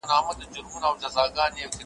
ویل زه یو ځلي ځمه تر بازاره ,